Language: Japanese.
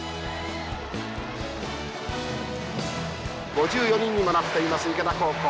５４人にもなっています池田高校。